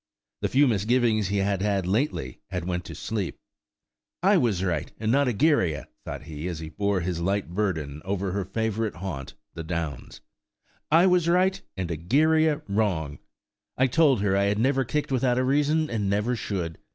The few misgivings he had lately had went to sleep. "I was right, and not Egeria," thought he, as he bore his light burden over her favourite haunt, the Downs. "I was right, and Egeria wrong. I told her I had never kicked without a reason, and never should.